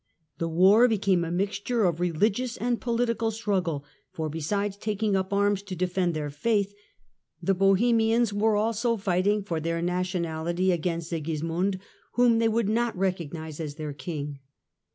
The war became a mixture of religious and political struggle ; for besides taking up arms to defend their faith, the Bohem ians were also fighting for their nationality against Sigis mund, whom they would not recognise as their King.